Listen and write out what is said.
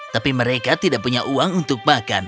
tapi mereka tidak punya uang untuk makan